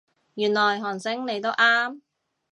原來韓星你都啱